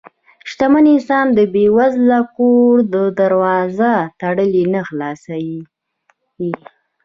شتمن انسان د بې وزله کور دروازه تړي نه، خلاصوي یې.